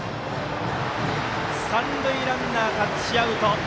三塁ランナー、タッチアウト。